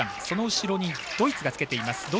その後ろにドイツがつけています。